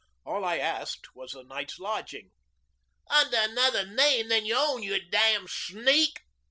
All I asked was a night's lodging." "Under another name than your own, you damned sneak."